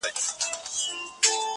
چي په كالو بانـدې زريـــن نه ســـمــه.